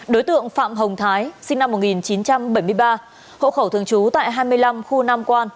đối tượng phạm hồng thái sinh năm một nghìn chín trăm bảy mươi ba hộ khẩu thường trú tại hai mươi năm khu nam quan